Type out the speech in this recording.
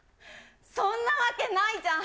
そんなわけないじゃん。